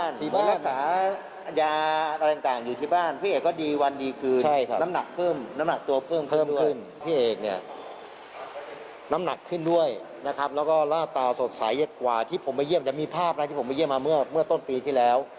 แล้วก็หน้าตาสดใสกว่าที่ผมมาเยี่ยมยังมีภาพนะที่ผมเยี่ยมมาเมื่อต้นปีที่แล้ว